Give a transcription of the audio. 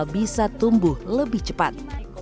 bisa tumbuh lebih cepat